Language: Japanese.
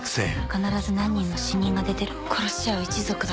「必ず何人も死人が出てる殺し合う一族だって」